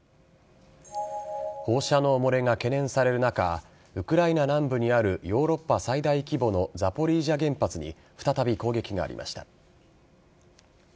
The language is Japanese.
放射能漏れが懸念される中、ウクライナ南部にあるヨーロッパ最大規模のザポリージャ原発に再び攻撃がありました。